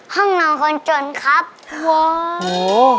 ห้องนอนคนจนครับว้าวโอ้โฮ